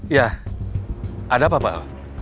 ya ada apa pak